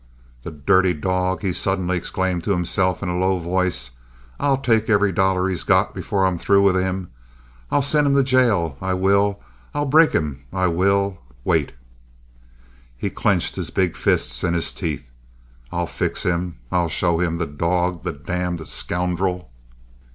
"The dirty dog!" he suddenly exclaimed to himself, in a low voice. "I'll take every dollar he's got before I'm through with him. I'll send him to jail, I will. I'll break him, I will. Wait!" He clinched his big fists and his teeth. "I'll fix him. I'll show him. The dog! The damned scoundrel!"